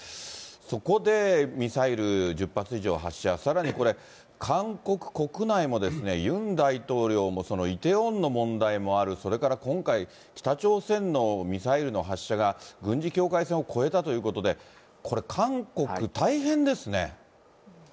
そこでミサイル１０発以上発射、さらにこれ、韓国国内も、ユン大統領もイテウォンの問題もある、それから今回、北朝鮮のミサイルの発射が軍事境界線を越えたということで、これ、韓国大変ですね。